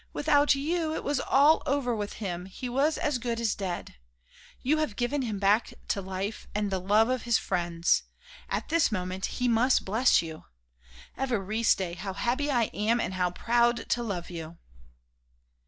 Without you, it was all over with him; he was as good as dead. You have given him back to life and the love of his friends. At this moment he must bless you. Évariste, how happy I am and how proud to love you!"